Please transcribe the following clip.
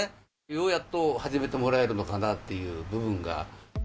ようやっと始めてもらえるのかなっていう部分が。